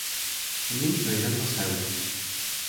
ni li tenpo sewi.